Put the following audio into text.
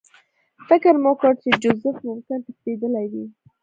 فکر مې وکړ چې جوزف ممکن تښتېدلی وي